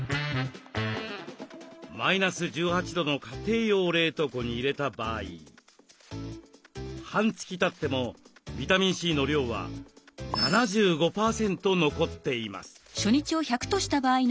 マイナス１８度の家庭用冷凍庫に入れた場合半月たってもビタミンＣの量は７５％残っています。